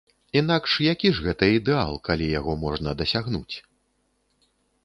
Інакш які ж гэта ідэал, калі яго можна дасягнуць!